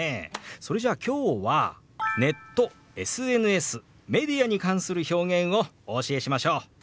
それじゃあ今日はネット・ＳＮＳ・メディアに関する表現をお教えしましょう！